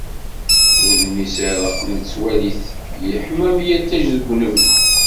Udem-is ireqq nettwali-t, yeḥma am yiṭij deg unebdu.